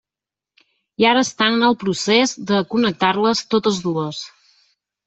I ara estan en el procés de connectar-les totes dues.